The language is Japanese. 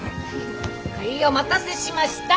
はいお待たせしました。